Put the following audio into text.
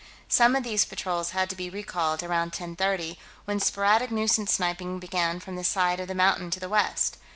Some of these patrols had to be recalled, around 1030, when sporadic nuisance sniping began from the side of the mountain to the west.